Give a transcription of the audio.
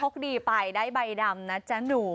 คดีไปได้ใบดำนะจ๊ะหนู